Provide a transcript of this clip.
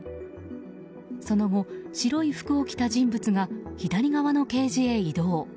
その後、白い服を着た人物が左側のケージへ移動。